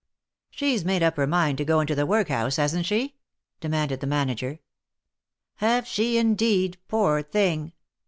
" She's made up her mind to go into the workhouse, hasn't she V 9 demanded the manager. "Have she indeed, poor thing?"